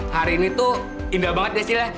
hari ini tuh indah banget ya sihle